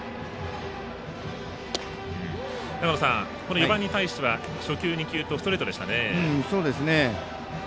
４番に対しては初球、２球とストレートでした。